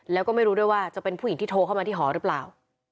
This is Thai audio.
แล้วก็ไม่รู้ด้วยว่าจะเป็นผู้หญิงที่โทรเข้ามาที่หอหรือเปล่า